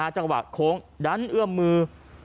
จังหวะโค้งดันเอื้อมมือ